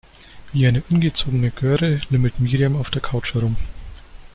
Wie eine ungezogene Göre lümmelt Miriam auf der Couch herum.